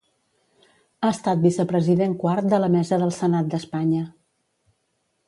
Ha estat vicepresident quart de la Mesa del Senat d'Espanya.